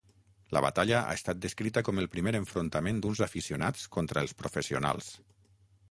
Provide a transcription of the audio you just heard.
La batalla ha estat descrita com el primer enfrontament d'uns aficionats contra els professionals.